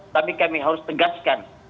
tapi kami harus tegaskan